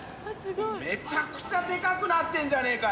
めちゃくちゃでかくなってんじゃねぇかよ！